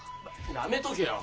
やめとけよ。